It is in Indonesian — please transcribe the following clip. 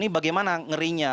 ini bagaimana ngerinya